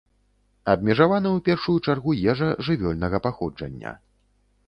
Абмежавана ў першую чаргу ежа жывёльнага паходжання.